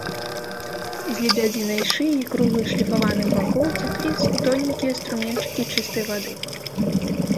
З лебядзінай шыі і круглых шліфаваных бакоў цяклі тоненькія струменьчыкі чыстай вады.